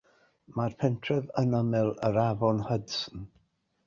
Mae'r pentref yn ymyl yr Afon Hudson